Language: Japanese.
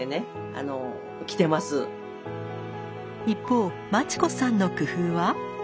一方真知子さんの工夫は？